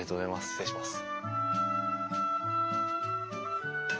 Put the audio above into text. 失礼します。